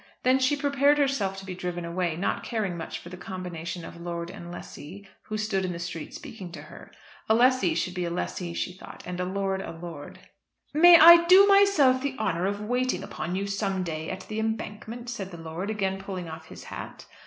Then she prepared herself to be driven away, not caring much for the combination of lord and lessee who stood in the street speaking to her. A lessee should be a lessee, she thought, and a lord a lord. "May I do myself the honour of waiting upon you some day at 'The Embankment,'" said the lord, again pulling off his hat.